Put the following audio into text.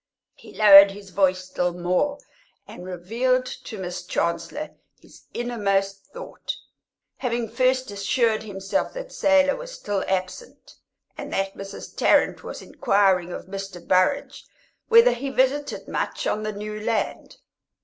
He lowered his voice still more and revealed to Miss Chancellor his innermost thought, having first assured himself that Selah was still absent and that Mrs. Tarrant was inquiring of Mr. Burrage whether he visited much on the new land.